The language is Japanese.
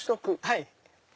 はい。